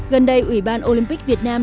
gần đây ủy ban olympic việt nam